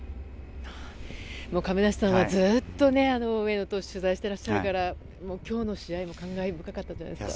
亀梨さんはずっと上野投手を取材していますから今日の試合感慨深かったんじゃないですか？